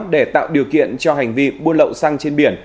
để tạo điều kiện cho hành vi buôn lậu xăng trên biển